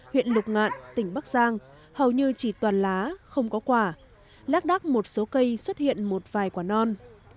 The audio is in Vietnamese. huyện lục ngạn tỉnh bắc giang hầu như chỉ toàn lá không có quả lác đắc một số cây xuất hiện một vài quả non